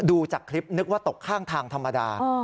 ดูจากคลิปนึกว่าตกข้างทางธรรมดา